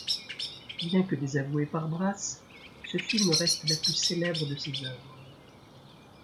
Bien que désavoué par Brass, ce film reste la plus célèbre de ses œuvres.